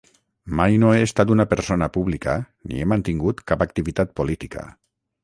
Mai no he estat una persona pública ni he mantingut cap activitat política.